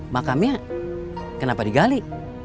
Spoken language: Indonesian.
makamnya kenapa digali